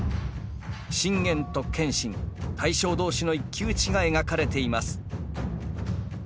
信玄と謙信大将同士の一騎打ちが描かれています。